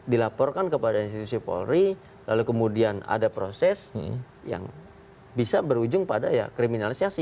dilaporkan kepada institusi polri lalu kemudian ada proses yang bisa berujung pada ya kriminalisasi